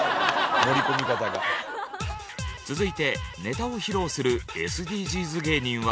続いてネタを披露するＳＤＧｓ芸人は。